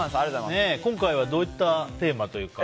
今回はどういったテーマというか？